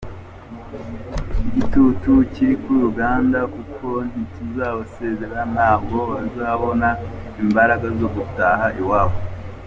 Igitutu kiri kuri Uganda kuko nitubasezerera ntabwo bazabona imbaraga zo gutaha iwabo”.